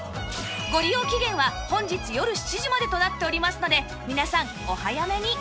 ご利用期限は本日よる７時までとなっておりますので皆さんお早めに